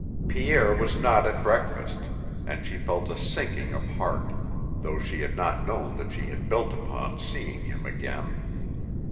Pierre was not at breakfast, and she felt a sinking of heart, though she had not known that she had built upon seeing him again.